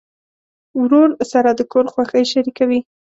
ورور سره د کور خوښۍ شریکوي.